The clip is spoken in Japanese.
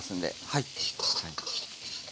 はい。